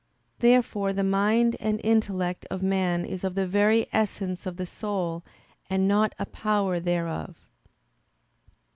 Therefore the mind and intellect of man is of the very essence of the soul and not a power thereof.